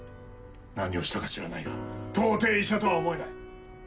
何をしたか知らないが到底医者とは思えない！